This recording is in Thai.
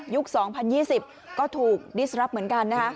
ยุคสองพันยี่สิบก็ถูกดิสรัพย์เหมือนกันนะฮะ